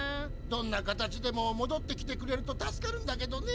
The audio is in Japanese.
どんな形でももどってきてくれると助かるんだけどねぇ。